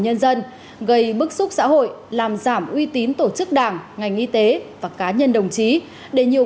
nhân dân gây bức xúc xã hội làm giảm uy tín tổ chức đảng ngành y tế và cá nhân đồng chí để nhiều